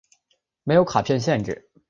没有卡片限制。